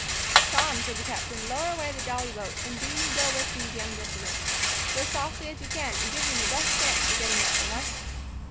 "Tom," said the captain, "lower away the jolly boat, and do you go with these young gentlemen. Row softly as you can, and give them the best chance for getting what they want."